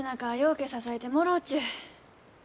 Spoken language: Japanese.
うけ支えてもろうちゅう。